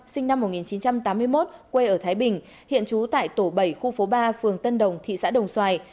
sinh năm một nghìn chín trăm tám mươi một quê ở thái bình hiện trú tại tổ bảy khu phố ba phường tân đồng thị xã đồng xoài